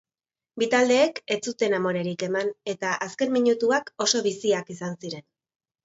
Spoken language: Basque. Bi taldeek ez zuten amorerik eman eta azken minutuak oso biziak izan ziren.